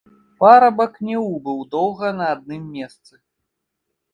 Парабак не ўбыў доўга на адным месцы.